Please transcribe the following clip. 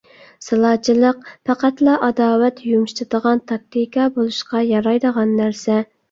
سالاچىلىق پەقەتلا ئاداۋەت يۇمشىتىدىغان تاكتىكا بولۇشقا يارايدىغان نەرسە.